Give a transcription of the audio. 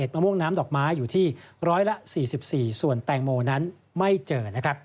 มะม่วงน้ำดอกไม้อยู่ที่๑๔๔ส่วนแตงโมนั้นไม่เจอนะครับ